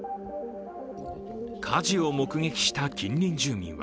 火事を目撃した近隣住民は